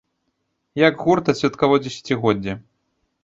Як гурт адсвяткаваў дзесяцігоддзе?